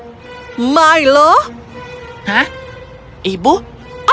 sekarang penyihir tidak mendengarkan